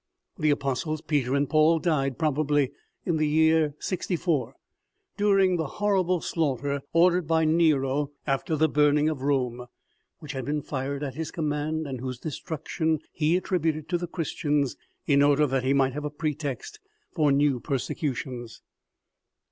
The apostles Peter and Paul died, probably, in the year 64, during the horrible slaughter ordered by Nero after the burning of Rome, which had been fired at his command and whose destruction he attributed to the Christians in order that he might have a pretext for new persecutions.